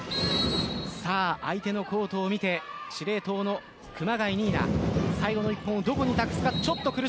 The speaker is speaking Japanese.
相手のコートを見て司令塔の熊谷仁依奈。最後の１本をどこに託すか。